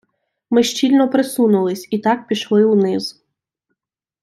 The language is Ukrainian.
Ми щільно присунулись і так пішли униз.